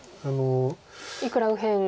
いくら右辺